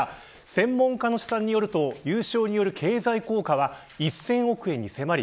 専門家の試算によると優勝による経済効果は１０００億円に迫り